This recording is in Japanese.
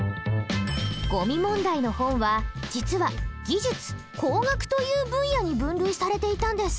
ゴミ問題の本は実は「技術、工学」という分野に分類されていたんです。